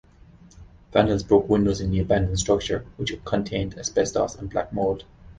Vandals broke windows in the abandoned structure, which contained asbestos and black mold.